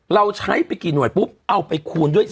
เราใช้ไปกี่หน่วยปุ๊บเอาไปคูณด้วย